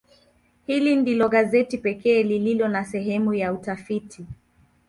Hili ndilo gazeti pekee lililo na sehemu ya utafiti.